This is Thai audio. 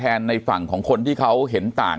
ในฝั่งของคนที่เขาเห็นต่าง